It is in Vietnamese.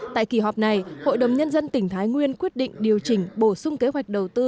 tại kỳ họp này hội đồng nhân dân tỉnh thái nguyên quyết định điều chỉnh bổ sung kế hoạch đầu tư